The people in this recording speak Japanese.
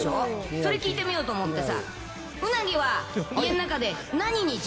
それ聞いてみようと思ってさ。